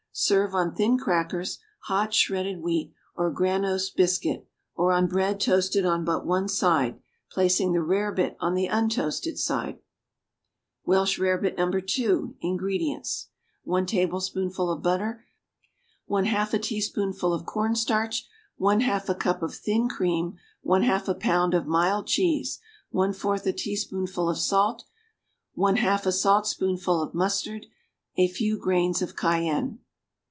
Serve on thin crackers, hot shredded wheat or granose biscuit, or on bread toasted on but one side, placing the rarebit on the untoasted side. =Welsh Rarebit, No. 2.= INGREDIENTS. 1 tablespoonful of butter. 1/2 a teaspoonful of cornstarch. 1/2 a cup of thin cream. 1/2 a pound of mild cheese. 1/4 a teaspoonful of salt. 1/2 a saltspoonful of mustard. A few grains of cayenne.